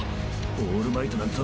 オールマイトなんざ